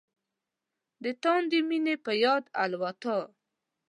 د تاندې مينې په یاد الوتای